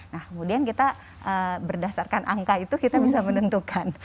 nah kemudian kita berdasarkan angka itu kita bisa menentukan